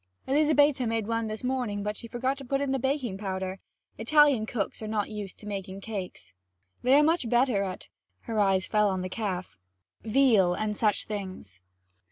Elizabetta made one this morning, but she forgot to put in the baking powder. Italian cooks are not used to making cakes; they are much better at' her eyes fell on the calf 'veal and such things.'